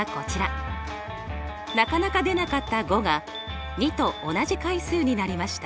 なかなか出なかった５が２と同じ回数になりました。